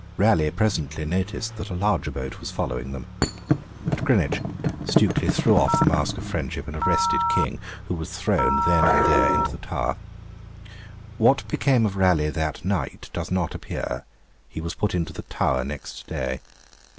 Raleigh presently noticed that a larger boat was following them; at Greenwich, Stukely threw off the mask of friendship and arrested King, who was thrown then and there into the Tower. What became of Raleigh that night does not appear; he was put into the Tower next day.